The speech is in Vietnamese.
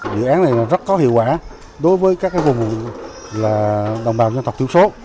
dự án này rất có hiệu quả đối với các vùng đồng bào dân tộc tiêu số